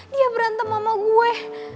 dia berantem sama gue